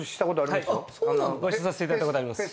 ご一緒させていただいたことあります。